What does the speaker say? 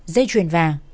dây truyền vàng